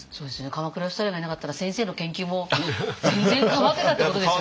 鎌倉芳太郎がいなかったら先生の研究も全然変わってたってことですよね。